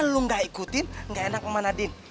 lo gak ikutin gak enak sama nadin